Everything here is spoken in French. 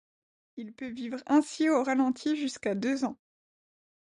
Il peut vivre ainsi au ralenti jusqu'à deux ans.